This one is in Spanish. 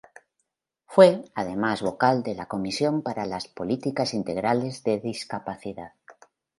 Fue, además, vocal de la comisión para las Políticas Integrales de Discapacidad.